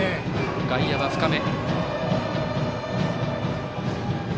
外野は深め。